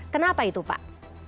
kenapa itu pak